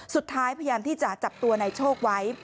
สุดท้ายพยายามที่จะจับตัวนายโชคไว้